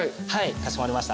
かしこまりました。